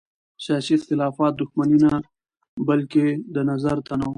سیاسي اختلاف دښمني نه بلکې د نظر تنوع ښيي